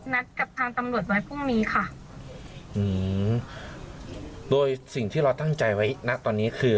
นัดกับทางตำรวจไว้พรุ่งนี้ค่ะอืมโดยสิ่งที่เราตั้งใจไว้ณตอนนี้คือ